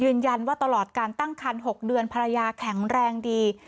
ยืนยันว่าตลอดการตั้งคัน๖เดือนภรรยาแข็งแรงดี